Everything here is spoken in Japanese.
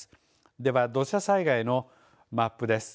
では土砂災害のマップです。